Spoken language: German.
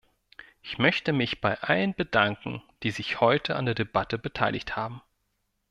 Ich möchte mich bei allen bedanken, die sich heute an der Debatte beteiligt haben.